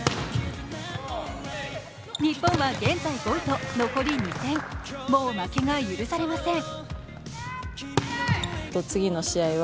日本は現在５位と、残り２戦、もう負けが許されません。